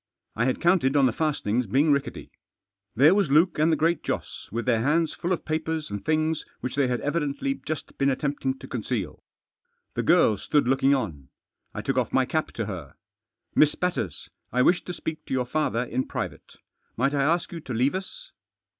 I had counted on the fastenings being rickety. There was Luke and the Great Joss with their hands full of papers and things which they had evidently just been attempting to conceal, The girl stood looking on, I took off |iiy cap to her. " Miss Batters, I wish to speak to your father in private. Might I ask you to leave us."